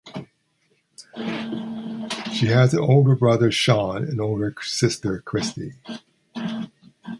She has an older brother Shaun and older sister Kristy.